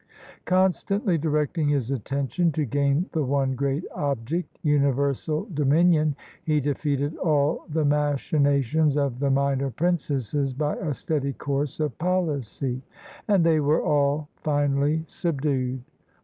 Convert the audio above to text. Constantly directing his attention to gain the one great object — universal dominion, he defeated all the machinations of the minor princes by a steady course of policy; and they were all finally subdued.